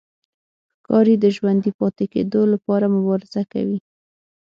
ښکاري د ژوندي پاتې کېدو لپاره مبارزه کوي.